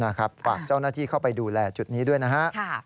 ฝากเจ้าหน้าที่เข้าไปดูแลจุดนี้ด้วยนะฮะ